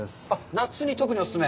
夏に特にお勧め。